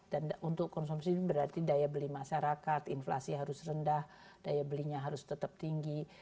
dan untuk konsumsi berarti daya beli masyarakat inflasi harus rendah daya belinya harus tetap tinggi